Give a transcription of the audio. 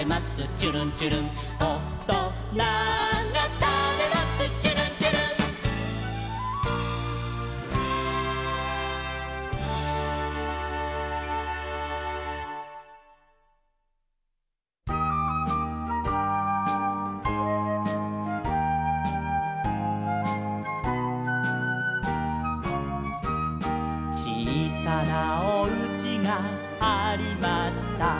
ちゅるんちゅるん」「おとながたべますちゅるんちゅるん」「ちいさなおうちがありました」